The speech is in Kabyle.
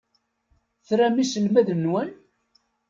Tram iselmaden-nwen?